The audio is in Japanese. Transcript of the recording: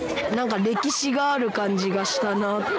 歴史がある感じがしたなって。